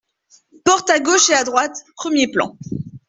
Porte à gauche et à droite, premier plan.